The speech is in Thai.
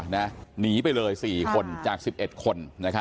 หนีไปเลย๔คนจาก๑๑คน